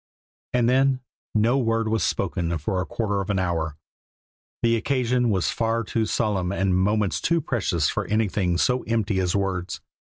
And then no word was spoken for a quarter of an hour. The occasion was far too solemn and moments too precious for anything so empty as words.